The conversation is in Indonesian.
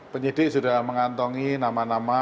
penyidik sudah mengantongi nama nama